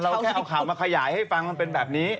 แค่เอาข่าวมาขยายให้ฟังมันเป็นแบบนี้